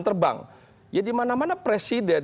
terbang ya di mana mana presiden